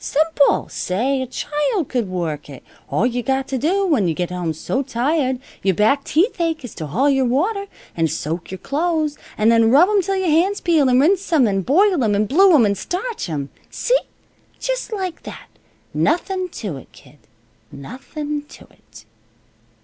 Simple! Say, a child could work it. All you got to do, when you get home so tired your back teeth ache, is to haul your water, an' soak your clothes, an' then rub 'em till your hands peel, and rinse 'em, an' boil 'em, and blue 'em, an' starch 'em. See? Just like that. Nothin' to it, kid. Nothin' to it."